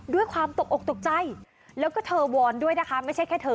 ด้วยความตกอกตกใจแล้วก็เธอวอนด้วยนะคะไม่ใช่แค่เธอ